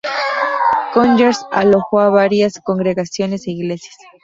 Conyers alojó a varias congregaciones e iglesias.